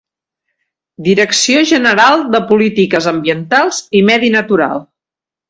Direcció General de Polítiques Ambientals i Medi Natural.